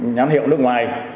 nhám hiệu nước ngoài